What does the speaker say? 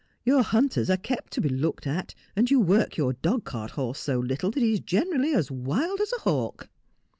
' Your hunters are kept to be looked at, and you work your dog cart horse so little that he is generally as wild as a hawk.'